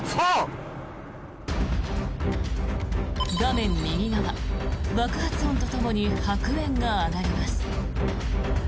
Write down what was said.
画面右側、爆発音とともに白煙が上がります。